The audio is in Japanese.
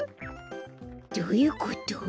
どういうこと？